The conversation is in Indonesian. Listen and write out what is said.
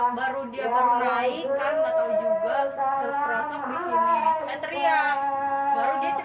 entah mau kabur entah baru dia bernaik kan gak tau juga